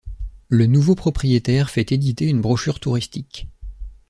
Le nouveau propriétaire fait éditer une brochure touristique.